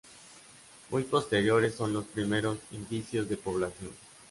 Muy posteriores son los primeros indicios de población.